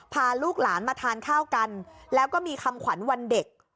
พาลูกหลานมาทานข้าวกันแล้วก็มีคำขวัญวันเด็ก